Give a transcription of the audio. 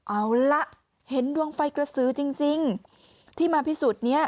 เอาละเห็นดวงไฟกระสือจริงที่มาพิสูจน์เนี่ย